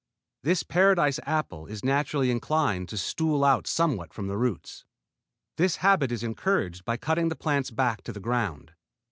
This Paradise apple is naturally inclined to stool out somewhat from the roots. This habit is encouraged by cutting the plants back to the ground.